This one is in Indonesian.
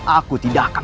aku tidak akan